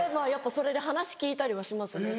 それで話聞いたりはしますね